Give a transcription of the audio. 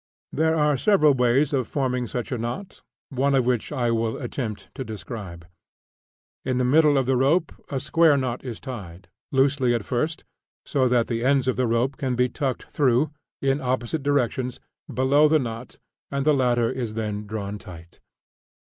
There are several ways of forming such a knot, one of which I will attempt to describe. In the middle of a rope a square knot is tied, loosely at first, so that the ends of the rope can be tucked through, in opposite directions, below the knot, and the latter is then drawn tight.